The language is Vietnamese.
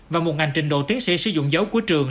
và một ngành trình độ tiến sĩ sử dụng dấu của trường